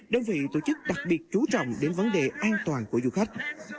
đơn vị tổ chức đặc biệt chú trọng đến vấn đề an toàn của du khách